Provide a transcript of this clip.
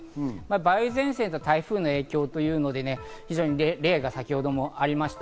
梅雨前線と台風の影響というので例が先ほどもありました。